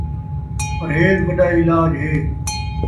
پرہیز وݙا علاج ہے